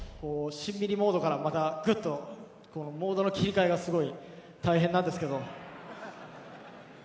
しんみりモードからグッとモードの切り替えがすごい大変なんですけど。